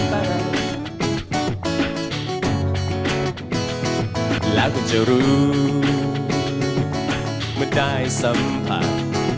แล้วคุณจะรู้เมื่อได้สัมผัส